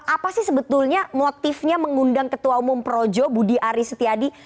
apa sih sebetulnya motifnya mengundang ketua umum projo budi aris setiadi